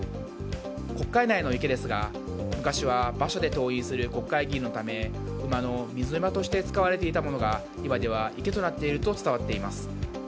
国会内の池ですが昔は馬車で登院する国会議員のため馬の水飲み場として使われていたものが今では池となっていると伝わっています。